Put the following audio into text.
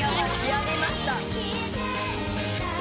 やりました。